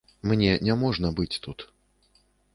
Мне няможна быць тут.